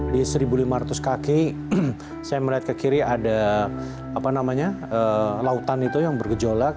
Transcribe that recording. di satu lima ratus kaki saya melihat ke kiri ada lautan itu yang bergejolak